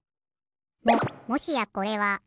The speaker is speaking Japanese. ももしやこれは。